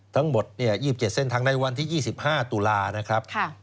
ทั้งหมด๒๗เส้นทางในวันที่๒๕ตุลานะครับ